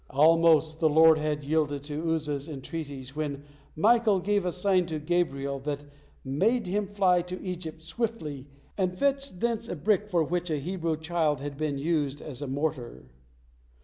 Almost the Lord had yielded to Uzza's entreaties, when Michael gave a sign to Gabriel that mad him fly to Egypt swiftly and fetch thence a brick for which a Hebrew child had been used as a mortar.